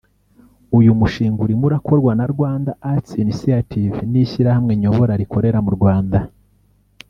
Uyu mushinga urimo urakorwa na « Rwanda Arts Initiative” n’ishyirahamwe nyobora rikorera mu Rwanda